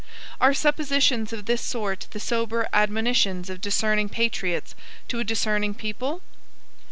Are suppositions of this sort the sober admonitions of discerning patriots to a discerning people?